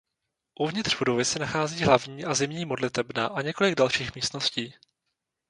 Uvnitř budovy se nachází hlavní a zimní modlitebna a několik dalších místností.